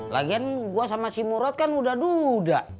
lagian gua sama si murad kan udah duda